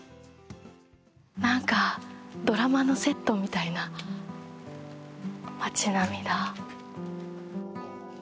なんかドラマのセットみたいな町並みだ。